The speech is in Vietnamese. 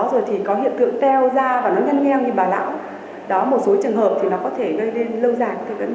đó một số trường hợp thì nó có thể gây đến lâu dài cái vấn đề ung thư da